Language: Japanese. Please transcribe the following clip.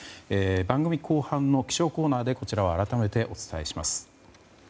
番組後半の気象コーナーでこちらは改めてお伝えします。